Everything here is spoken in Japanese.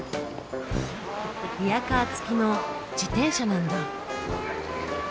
リアカー付きの自転車なんだ。